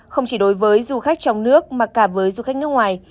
không chỉ đối với du khách trong nước mà cả với du khách nước ngoài